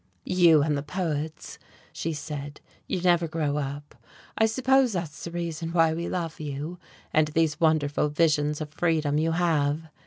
"You and the poets," she said, "you never grow up. I suppose that's the reason why we love you and these wonderful visions of freedom you have.